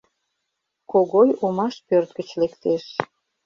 — Когой омаш пӧрт гыч лектеш.